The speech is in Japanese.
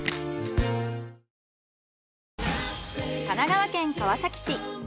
神奈川県川崎市。